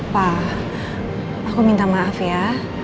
pak aku minta maaf ya